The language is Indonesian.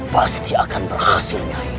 pasti akan berhasilnya